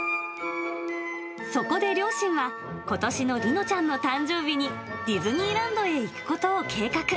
そこで両親は、ことしの梨乃ちゃんの誕生日に、ディズニーランドへ行くことを計画。